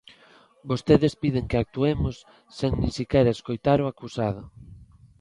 "Vostedes piden que actuemos sen nin sequera escoitar o acusado".